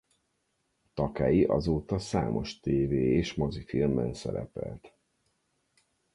Takei azóta számos tévé- és mozifilmben szerepelt.